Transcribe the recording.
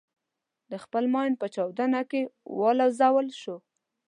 د خپل ماین په چاودنه کې والوزول شو.